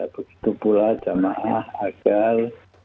begitu pula jamaah agar